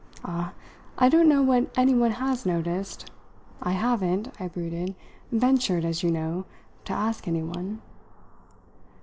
"Ah, I don't know what anyone has noticed. I haven't," I brooded, "ventured as you know to ask anyone."